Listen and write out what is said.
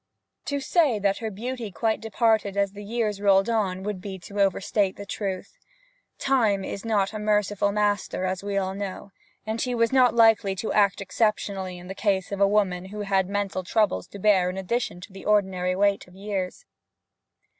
To say that her beauty quite departed as the years rolled on would be to overstate the truth. Time is not a merciful master, as we all know, and he was not likely to act exceptionally in the case of a woman who had mental troubles to bear in addition to the ordinary weight of years.